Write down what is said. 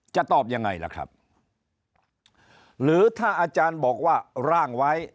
จะตอบยังไงล่ะครับหรือถ้าอาจารย์บอกว่าร่างไว้